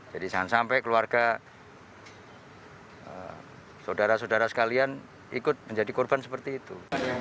jadi jangan sampai keluarga saudara saudara sekalian ikut menjadi korban seperti itu